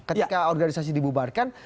ketika organisasi dibubarkan